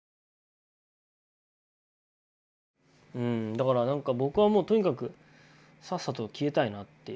だからなんか僕はもうとにかくさっさと消えたいなっていう。